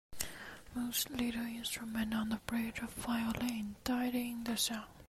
Mutes little instruments on the bridge of the violin, deadening the sound.